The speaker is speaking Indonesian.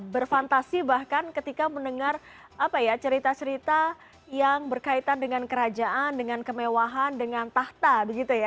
berfantasi bahkan ketika mendengar apa ya cerita cerita yang berkaitan dengan kerajaan dengan kemewahan dengan tahta begitu ya